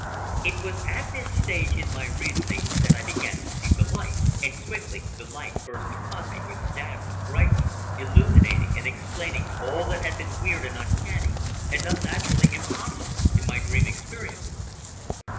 It was at this stage in my reasoning that I began to see the light. And quickly the light burst upon me with dazzling brightness, illuminating and explaining all that had been weird and uncanny and unnaturally impossible in my dream experiences.